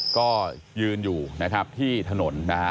ก็ยืนอยู่นะครับที่ถนนนะฮะ